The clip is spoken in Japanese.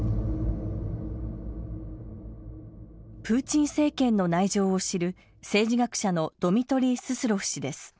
プーチン政権の内情を知る政治学者のドミトリー・ススロフ氏です。